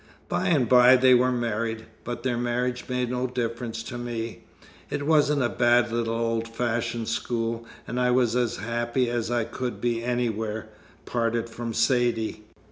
By and by they were married, but their marriage made no difference to me. It wasn't a bad little old fashioned school, and I was as happy as I could be anywhere, parted from Saidee.